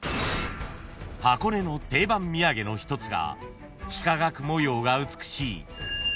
［箱根の定番土産の一つが幾何学模様が美しい］